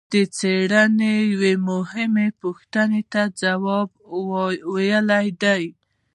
دې څېړنې یوې مهمې پوښتنې ته ځواب ویلی دی.